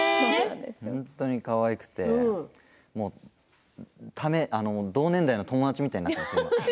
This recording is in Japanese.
本当にかわいくて同年代の友達みたくなっています。